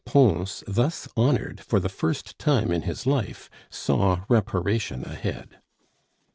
Pons, thus honored for the first time in his life saw reparation ahead.